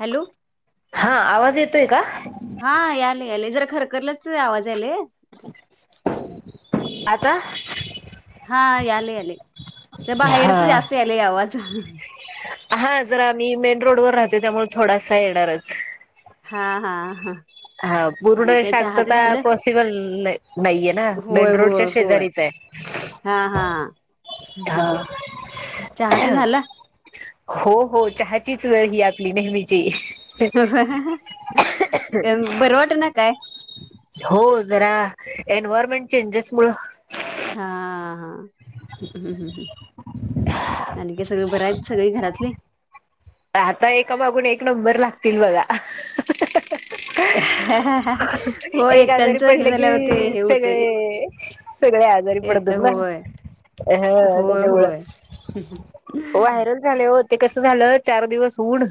Hello हा आवाज येतोय का? हा याले याले जर खर खरलाच आवाज यायले. आता- हा याले आले तर बाहेरच हा. जास्त आले आवाज. हा जरा आम्ही मेन रोडवर राहतो त्यामुळे थोडा सा येणारच. हा हा ह ह... हा पूर्ण शांतता पॉसिबल नाहीये ना होय मेन ररोडच्या होय होय शेजारीच आहे. हा हा. चहा ते झालं हो हो चहाचीच वेळ ही आपली नेहमीची बर वाट ना काय. हो जरा एन्वयरमेंट चेंजेस मुळ हा हा हम्म हम्म हम्म आणि का सगळं बराय सगळे घरातले आता एकामागून एक नंबर लागतील बघा हो एक आजारी एकट्यांच हे पडलं झाल्यावर की ते हे होते सगळे सगळे आज. आजारी येत पडतात ना. होय ह होय त्याच्यामुळं होय व्हायरल झाले हो ते कस. झालं चार दिवस ऊन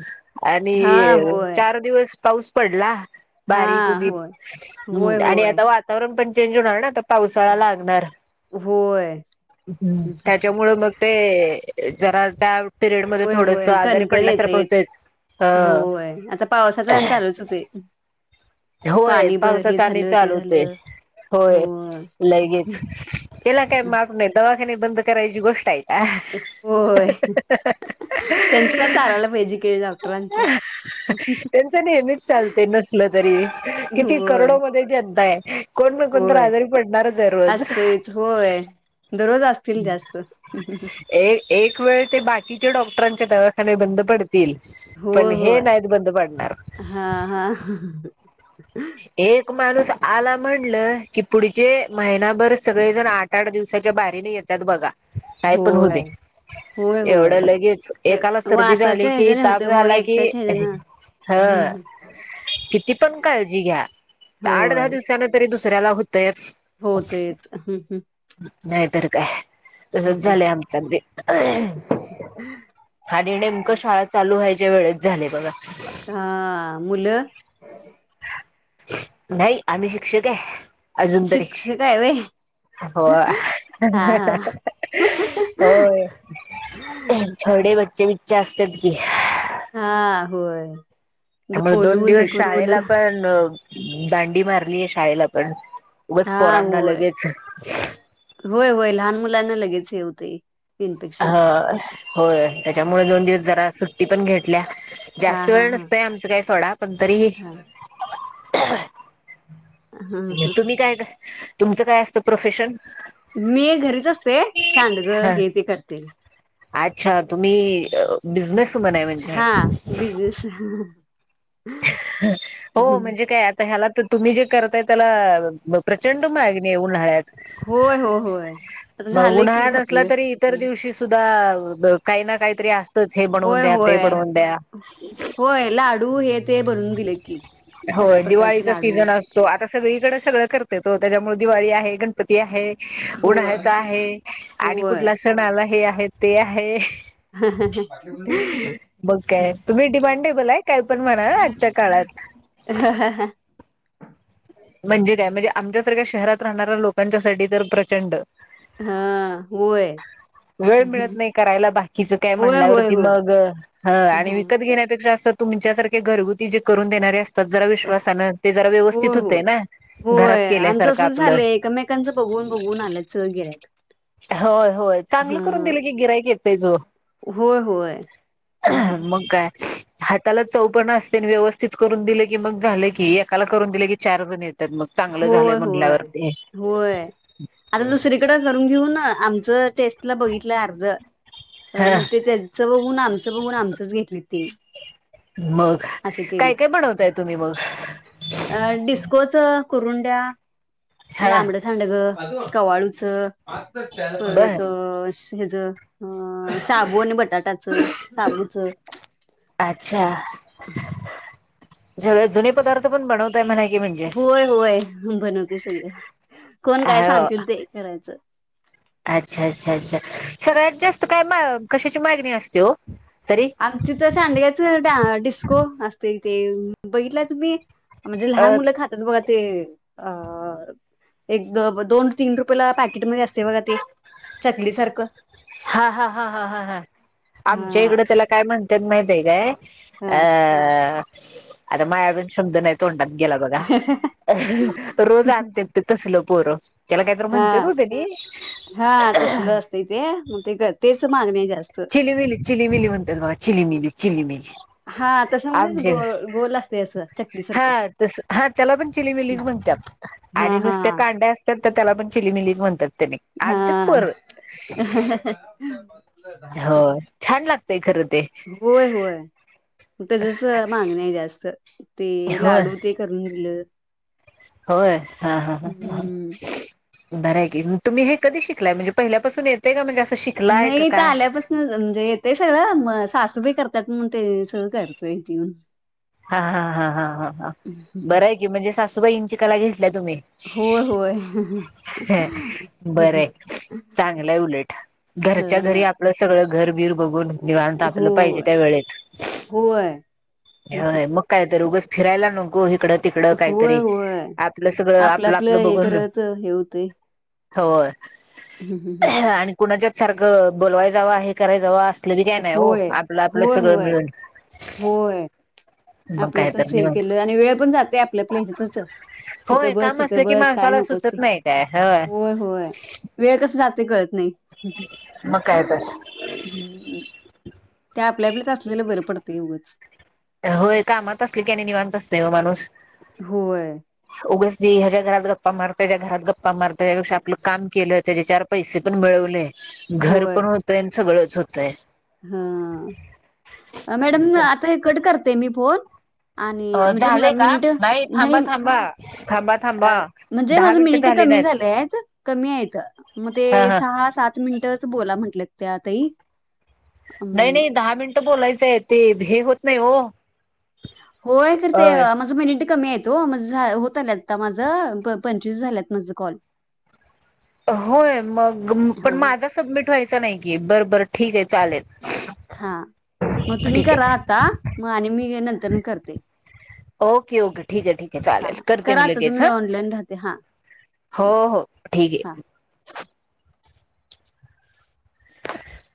हा आणि होय चार दिवस पाऊस पडला बारीक हां, होय. होय, उगी् आणि होय. आता वातावरण पण चेंज होणार ना आ पावसाळा लागणार होय ह् त्याच्यामु मग ते जरा त्या पिरियड मध्ये होय थोडस होय आजारी कणकण पडल्यासारखं येतेच होतच अ होय आता पावसाचा आणि चालूच होते हम् होय पावसाचा आणि चालू च हे झालं. होय लगेच त्याला काय मार नाही दवाखाने बंद करायची गोष्ट आहे. का होय त्यांच ना चालायला पाहिजे केळ डॉक्टरांचं च चालते नसल तरी किती होय, करडो मध्ये जनता आहे. कोण न कोण तर होय. आजारी पडणारच आहे रोज. असतंयच. होय. दररोज असतील जास्त. एक वेळ ते बाकी. बाकीचे डॉक्टरांच्या दवाखाने बंद पडत पण होय, हे होय. नाहीत बंद पडणार. हां, हां. एक माणूस.. आला म्हणलं की पुढचे महिनाभर सगळेजण आठ आठ दिवसाच्या बाहेरने येतात बघा. नाहीय पण होऊ दे. होय. होय, होय. एवढं लगेच ते एकाला सर्दी झाली वासाच्या कि ह्याच्याने होतंय. ताप होय, झाला की. एकट्याच्या ह्याच्यानं. हा किती, पण काळजी घ्या आठ होय. दहा दिवसान तरी दुसऱ्याला होतय. हो तेच नाहीतर काय तसच झालंय आमचं आणि आणि नेमक शाळा चालू व्हायच्या वेळेत झाले बघा. हा मुलं. नाही आम्ही शिक्षक आहे. अजून तरी शिक्षिका हायवे हो होय, छोडे बच्चे-बिच्चे असतात की. हा होय, त्यामुळे दोन बोलून हे दिवस करून शाळेला पण दांडी मारलीय शाळेला पण उगच हा पोरांना होय! लगेच होय-होय लहान मुलांना लगेच येवतंही. ह होय त्याच्यामुळे दोन दिवस जरा सुट्टी पण घेतल्या. हा जास्त हा वेळ हा नसतय आमचं काही सोडा पण तरी. हा [unintelligible] हं हं तुम्ही काय तुमचं काय असतं प्रोफेशन. मी घरीच असते सांडगं ह हे ते करते. अच्छा तुम्ही बिझनेस वुमन आहे म्हणजे. हा बिझनेस हो म्हणजे काय आता ह्याला तर तुम्ही जे करताय त्याला म प्रचंड मागणी उन्हाळ्यात, होय हो होय आता मग झालंय की उन्हाळा नसला आपलं तरी इतर दिवशी सुद्धाआ काही ना काहीतरी असतच हे बनवून होय द्या ते होय बनवून द्या. होय लाडू हे ते बनवून दिले की हो सगळ्या प्रकारचे दिवाळीचा लाडू सीझन असतो आता सगळीकडे सगळं करतेत ओ त्याच्यामुळे दिवाळी आहे गणपती आहे. होय उन्हाळ्याचा आहे, आणि होय कुठला सण आला, हे आहे ते आहे. बघ काय तुम्ही डिमांडेबल आहे काय पण म्हणा. आजच्या काळात. म्हणजे काय म्हणजे आमच्यासारख्या शहरात राहणाऱ्या लोकांच्यासाठी तर प्रचंड. हा होय. वेळ मिळत होय नाही करायला बाकीच काय होय होय म्हणल्यावरती मग ह आणि हो विकत घेण्यापेक्षा अस. तुमच्यासारखे घरगुती जे करून देणारे असतात जरा विश्वासानं ते जरा व्यवस्थित होय होतय ना घरात होय आमचं केल्यासारखं असं आपलं झालंय एकमेकांचं बघून बघून आलेत गिरायक. होय-होय चांगलं करून दिलं की गिरायक येतचं ओ. होय होय. [inaudible] त्याला चव पण असते व्यवस्थित करून दिलं की मग झालं कि एकाला करून दिले की चार जण येत. होय! होय-होय आता दुसरीकडे करून घेऊन आमचं. टेस्टला बघितलं अर्ध ह मग ते त्याचं बघून आमचं बघून आमचंच घेतली तेनी. मग अस काय केलेत, काय बनवताय तुम्ही मग [inaudible] डिस्कोच करून द्या, हा लांबडं थांड गं कवाळूचं. बर परत., [inaudible] हेज अ. शाबू आणि बटाटाचं. शाबूचं अच्छा सगळे जुने पदार्थ पण बनवताय म्हणा की म्हणजे होय-होय बनवते सगळं. कोण काय हो सांगतील ते करायचं.. अच्छा! अच्छा-अच्छा सगळ्यात जास्त काय कशाची मागणी असते ओ? आमची तर सांडग्याच डिस्को असते ते बघितला तुम्ही. म्हणजे अ लहान मुलं खातात बघा. ते अ एक दोन तीन रुपयला पॅकेटमध्येध्ये असते बघा ते. चकली सारखं. हा.. हा.. हा.. हा.. हा आमच्या हा इकडं त्याला काय म्हणते माहिते. हा आ आता माझा पण शब्द नाही तोंडात. गेला बघा. रोज आणते ते तसल पोरं. त्याला काहीत हा म्हणतेच हो त्यानी हा तसल असत ते. मग ते घर तेचं मागणी जा चिली मिली. चिली मिली म्हणत्यात बघा. चिल मिली चिली मिली. हा तशामध्येच आमचे गो गोल असते असं चकली हा सारखं तस हा त्याला पण चिलीमीलीचं म्हणत्यात. हा आणि हा नुसत्या कांड्या असतात तर त्याला पण चिली मिलीच म्हणतात. हा आणत्यात पोरं. हो छान लागतय खरं ते. त्याच्याच मागणी आहे जास्त. ते होय लाडू ते करून दिलं. होय. हा हा हा हा हम्म बरय की. तुम्ही हे कधी शिकलाय म्हणजे पहिल्यापासून येते का म्हणजे असं शिकलाय नाही का इथं काय आल्यापासन म्हणजे येतय सगळं म सासूबाई करतात. म्हणून ते सगळ करतोय इथ येऊन. हा हा हा हा हा हा बराय की म्हणजे सासूबाईंची कला तुम्ही होय होय बरय चांगलंय उलट घरच्या घरी ह आपलं सगळं घरबीर बघून निवांत हो आपलं पाहिजे त्यावेळे वेळेत होय. हॊय. मग काय तर, उगच फिरायला नको. इकडं तिकडं होय काहीतरी होय. आपलं सगळं आपलं आपलं-आपलं हे करायचं हे होतयं. हो आणि कुणाच्यात सारखं बोलवाय जावं आहे. करायच व असलं बि काय नाही हो होय, आपलं आपलं होय, सगळं होय, मिळून होय. मग आपल काय तर तस हे निवांत केलं. आणि वेळ पण जाते आपल्या आपल्या हच्यातच. होय ईथं बस काम तिथ असलं की बस काय माणसाला नकोच ते. सुचत नाही काय होय होय वेळ कस जात ते कळत नाही. मग काय तर. आपल्या आपल्यात असलेलं बरं पडते ए उगंच. होय कामात असली कनि निवांत असत व माणूस. होय, उगच ह्याच्या घरात गप्पा मारत त्यांच्या घरात गप्पा मार. त्यांच्यापेक्षा आपलं काम केलं त्याचे चार पैसे पण मिळवले घर पण होतोय. न सगळंच होतय. हा मॅडम आता हे कट करते मी फोन. आणि अ म्हणजे म झालंय का मिनिट नाही थांबा थांबा थांबा अ थांबा. म्हणजे दहा माझ मिनिटं मिनिट झाली कमी नाहीत झालेत. कमी आहेत. मग ते हा हा सहा सात मिनटच बोला म्हटलेत. त्या ताई नाही अं, नाही दहा मिनटं बोलायचंय आहे. ते हे होत नाही हो. होय करतेय माझं मिनिट कमी आहेत हो माझ होत्याल आता माझ पंचवीस झाल्यात माझ कॉल. होय मग पण हां, माझा सबमिट व्हायचा नाही की. बर बर ठीक आहे चालेल. हा मग तुम्ही ठीक आहे. करा आता. मग आणि मी नंतर करते. ओके ओके ठीक आहे ठीक आहे चालेल. हां, करते करा मी आता लगेच तुम्ही ह. ऑनलाईन राहते. हां, हो हां, हो ठीक हां. आहे.